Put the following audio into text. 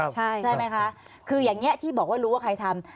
ใช่ไหมคะคืออย่างนี้ที่บอกว่ารู้ว่าใครทำ